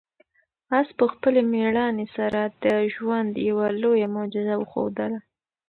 آس په خپلې مېړانې سره د ژوند یوه لویه معجزه وښودله.